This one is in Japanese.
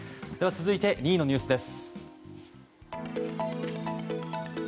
続いて、２位のニュースです。